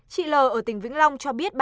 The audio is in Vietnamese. chị l ở tỉnh vĩnh long cho biết